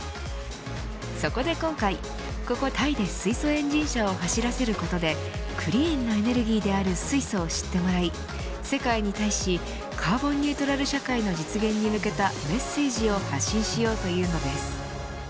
そこで今回ここタイで、水素エンジン車を走らせることでクリーンなエネルギーである水素を知ってもらい世界に対しカーボンニュートラル社会の実現に向けたメッセージを発信しようというのです。